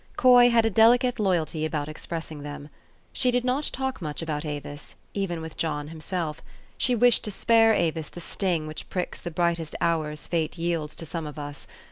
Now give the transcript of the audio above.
Coy had a delicate loyalty about expressing them. She did not talk much about Avis, even with John himself : she wished to spare Avis the sting which pricks the brightest hours fate yields to some of us?